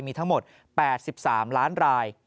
มีทั้งหมด๘๓ล้านราย